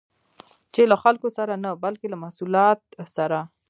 چې له خلکو سره نه، بلکې له محصولات سره